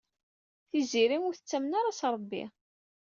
Tiziri ur tettamen ara s Ṛebbi.